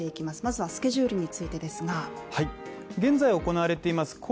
まずはスケジュールについてですが現在行われています